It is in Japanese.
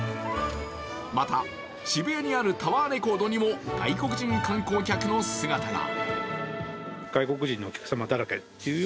また、渋谷にあるタワーレコードにも外国人観光客の姿が。